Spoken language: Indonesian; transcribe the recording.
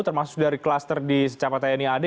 termasuk dari cluster di secapatan ini